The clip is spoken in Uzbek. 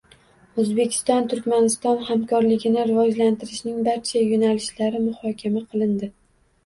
O‘zbekiston-Turkmaniston hamkorligini rivojlantirishning barcha yo‘nalishlari muhokama qilindi